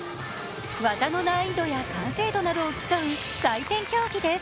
技の難易度や完成度を競う採点競技です。